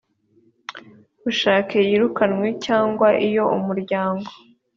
bushake yirukanywe cyangwa iyo umuryango